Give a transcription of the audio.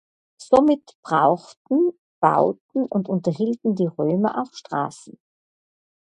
Somit brauchten, bauten und unterhielten die Römer auch Straßen.